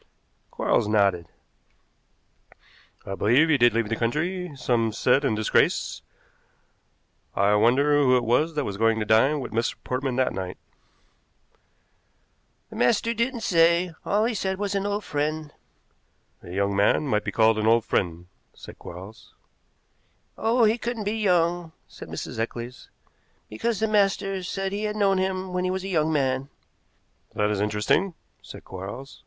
Quarles nodded. "I believe he did leave the country; some said in disgrace. I wonder who it was that was going to dine with Mr. Portman that night." "The master didn't say. All he said was an old friend." "A young man might be called an old friend," said Quarles. "Oh, he couldn't be young," said Mrs. Eccles, "because the master said he had known him when he was a young man." "That is interesting," said Quarles.